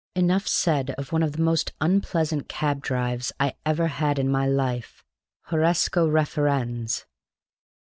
Enough said of one of the most unpleasant cab drives I ever had in my life. Horresco referens.